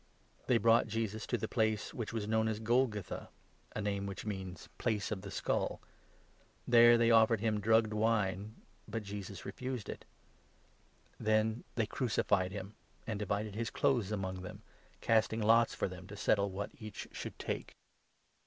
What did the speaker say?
They brought Jesus to the place which was known as 22 Golgotha — a name which means ' Place of a Skull.' There 23 they offered him drugged wine ; but Jesus refused it. Then 24 they crucified him, and divided his clothes among them, casting lots for them, to settle what each should take.